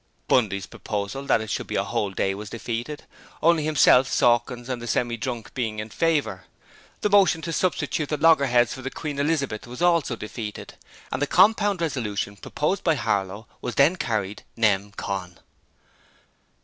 Bundy's proposal that it should be a whole day was defeated, only himself, Sawkins and the Semi drunk being in favour. The motion to substitute the Loggerheads for the Queen Elizabeth was also defeated, and the compound resolution proposed by Harlow was then carried nem. con.